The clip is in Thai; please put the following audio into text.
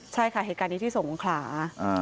ใช่ค่ะเหตุการณ์นี้ที่สงขลา